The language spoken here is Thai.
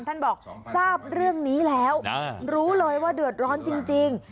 ท่านบอกทราบเรื่องนี้แล้วรู้เลยว่าเดือดร้อนจริง